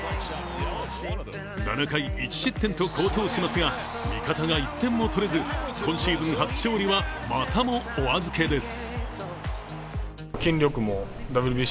７回１失点と好投しますが見方が１点も取れず、今シーズン初勝利はまたもお預けです。